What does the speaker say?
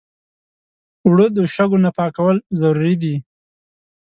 اوړه د شګو نه پاکول ضروري دي